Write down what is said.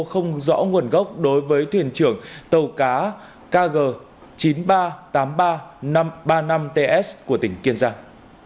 không rõ nguồn gốc đối với thuyền trưởng tàu cá kg chín nghìn ba trăm tám mươi ba năm trăm ba mươi năm ts của tỉnh kiên giang